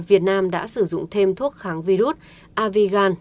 việt nam đã sử dụng thêm thuốc kháng virus avigan